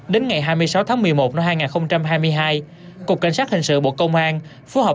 đến ngày hai mươi sáu tháng một mươi một năm hai nghìn hai mươi hai cục cảnh sát hình sự bộ công an phối hợp